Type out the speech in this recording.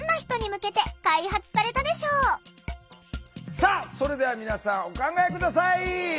さあそれでは皆さんお考え下さい！